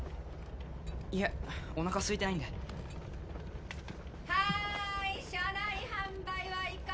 いえおなかすいてないんで・はい車内販売はいかが？